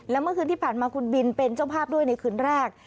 และเมื่อคืนที่ผ่านมาคุณบินเป็นเจ้าภาพด้วยในคืนแรก